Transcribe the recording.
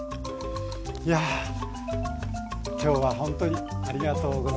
いや今日はほんとにありがとうございました。